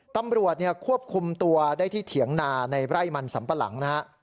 ตำรวจควบคุมตัวที่เถียงนาในไล่มันสัมประหลังน้องครับ